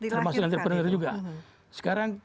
termasuk entrepreneur juga sekarang